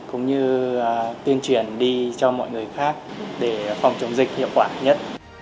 cũng như tuyên truyền đi cho mọi người khác để phòng chống dịch hiệu quả nhất